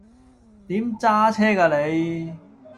點揸車㗎你